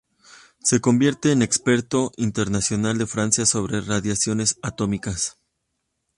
Se convierte en experto internacional de Francia sobre radiaciones atómicas.